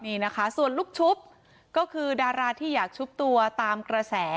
นี่นะคะส่วนลูกชุบก็คือดาราที่อยากชุบตัวตามกระแส